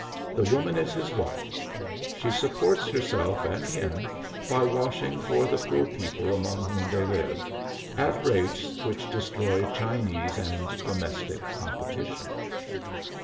The woman is his wife. She supports herself and him by washing for the poor people among whom they live, at rates which destroy Chinese and domestic competition.